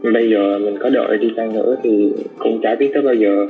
bây giờ mình có đợi đi sang nữa thì không trả biết tới bao giờ